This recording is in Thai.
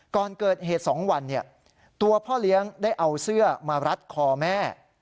ก่อนเกิดเหตุ๒วันตัวพ่อเลี้ยงได้เอาเสื้อมารัดคอแม่